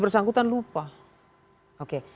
bersangkutan lupa oke